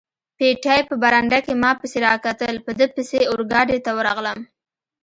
پېټی په برنډه کې ما پسې را کتل، په ده پسې اورګاډي ته ورغلم.